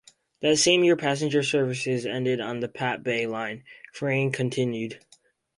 That same year passenger services ended on the Pat bay line, freight continued.